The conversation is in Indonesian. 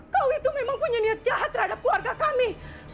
kau itu memang punya niat jahat terhadap keluarga kami